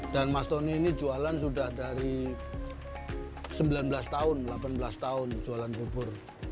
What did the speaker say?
dan mas tony ini jualan sudah dari sembilan belas tahun delapan belas tahun jualan bubur